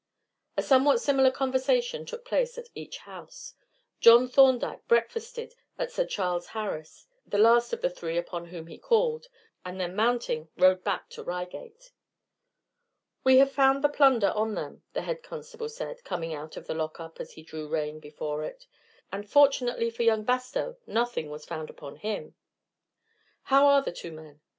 A somewhat similar conversation took place at each house. John Thorndyke breakfasted at Sir Charles Harris', the last of the three upon whom he called, and then mounting rode back to Reigate. "We have found the plunder on them," the head constable said, coming out of the lockup as he drew rein before it, "and, fortunately for young Bastow, nothing was found upon him." "How are the two men?"